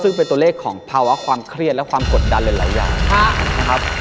ซึ่งเป็นตัวเลขของภาวะความเครียดและความกดดันหลายอย่างนะครับ